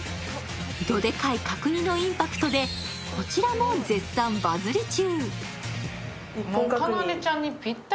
どでかい角煮のインパクトでこちらも絶賛バズり中。